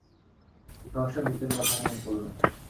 সহসা মৃতের কথা মনে পড়ল।